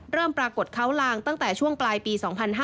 เริ่มปรากฏเค้าลางตั้งแต่ช่วงปลายปี๒๕๕๒